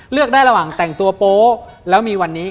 เลือกได้ระหว่างแต่งตัวโป๊แล้วมีวันนี้